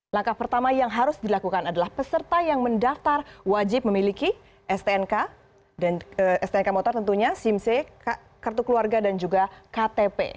langkah pertama yang harus dilakukan adalah peserta yang mendaftar wajib memiliki stnk dan stnk motor tentunya simc kartu keluarga dan juga ktp